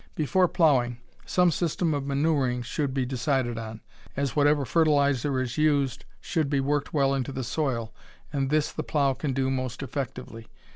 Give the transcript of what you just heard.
Before plowing some system of manuring should be decided on, as whatever fertilizer is used should be worked well into the soil, and this the plow can do most effectively.